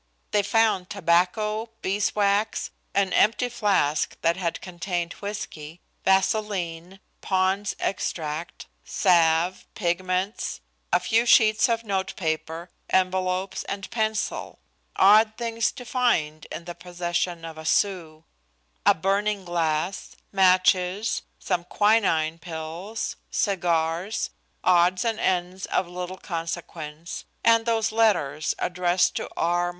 They found tobacco, beeswax, an empty flask that had contained whiskey, vaseline, Pond's Extract, salve, pigments, a few sheets of note paper, envelopes and pencil odd things to find in the possession of a Sioux a burning glass, matches, some quinine pills, cigars, odds and ends of little consequence, and those letters addressed to R.